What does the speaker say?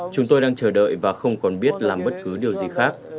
chúng tôi đang chờ đợi và không còn biết làm bất cứ điều gì khác